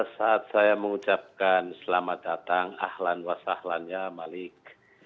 saat saya mengucapkan selamat datang ahlan wasahlannya malik